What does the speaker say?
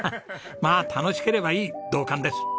まあ「楽しければいい」同感です。